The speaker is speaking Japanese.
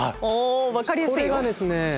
これがですね